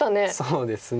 そうですね。